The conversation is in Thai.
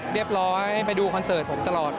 เรียบร้อยไปดูคอนเซิร์ตผมตลอด